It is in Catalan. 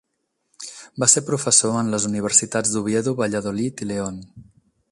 Va ser professor en les universitats d'Oviedo, Valladolid i León.